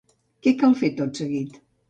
Què cal fer tot seguit?